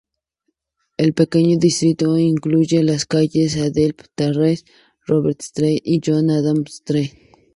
El pequeño distrito incluye las calles "Adelphi Terrace", "Robert Street" y "John Adam Street".